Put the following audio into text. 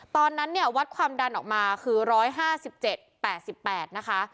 ตอนนั้นเนี่ยวัดความดันออกมาคือ๑๕๗๘๘นะคะ